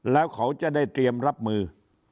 แล้วเขาจะได้เตรียมรับมือ